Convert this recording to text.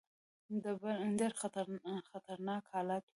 ډېر خطرناک حالت وو.